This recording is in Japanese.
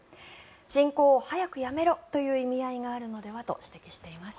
侵攻を早くやめろという意味合いがあるのではと指摘しています。